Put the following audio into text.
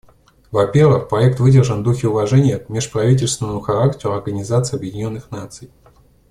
Во-первых, проект выдержан в духе уважения к межправительственному характеру Организации Объединенных Наций.